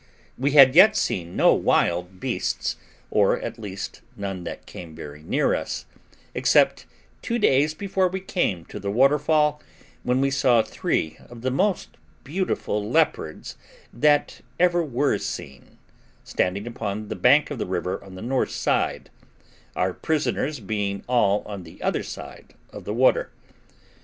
We had yet seen no wild beasts, or, at least, none that came very near us, except two days before we came to the waterfall, when we saw three of the most beautiful leopards that ever were seen, standing upon the bank of the river on the north side, our prisoners being all on the other side of the water.